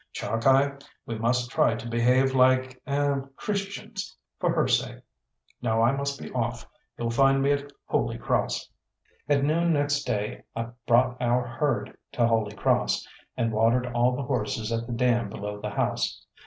"Chalkeye, we must try to behave like er Christians, for her sake. Now I must be off. You'll find me at Holy Cross." At noon next day I brought our herd to Holy Cross, and watered all the horses at the dam below the house.